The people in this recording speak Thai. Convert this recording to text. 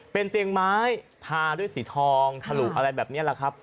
เป็นเตียงไม้ทาด้วยสีทองถลุอะไรแบบนี้แหละครับ